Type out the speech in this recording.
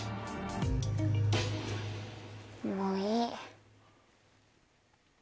もういい。